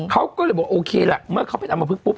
เขาก็เลยบอกโอเคล่ะเมื่อเขาเป็นอำมพลึกปุ๊